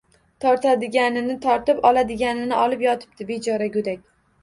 Tortadiganini tortib, oladiganini olib yotibdi bechora go'dak.